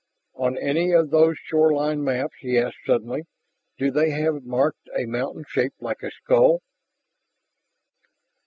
"On any of those shoreline maps," he asked suddenly, "do they have marked a mountain shaped like a skull?"